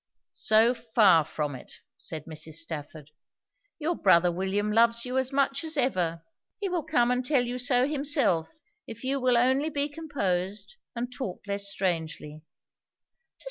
'So far from it,' said Mrs. Stafford, 'your brother William loves you as much as ever; he will come and tell you so himself if you will only be composed, and talk less strangely.'